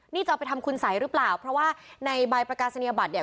นี่จะเอาไปทำคุณสัยหรือเปล่าเพราะว่าในใบประกาศนียบัตรเนี่ย